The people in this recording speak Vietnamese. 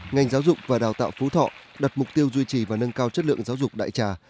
ngành giáo dục và đào tạo phú thọ đặt mục tiêu duy trì và nâng cao chất lượng giáo dục đại trà